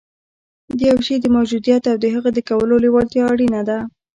د یوه شي د موجودیت او د هغه د کولو لېوالتیا اړینه ده